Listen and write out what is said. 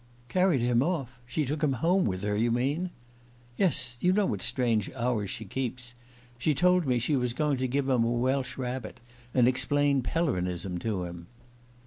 "Carried him off? She took him home with her, you mean?" "Yes. You know what strange hours she keeps. She told me she was going to give him a Welsh rabbit, and explain Pellerinism to him."